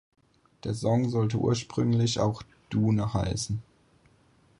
Der Song sollte ursprünglich auch „Dune“ heißen.